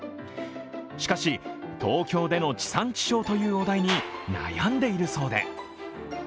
しかし、東京での地産地消というお題に悩んでいるそうで。